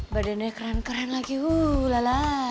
badannya keren keren lagi huh lala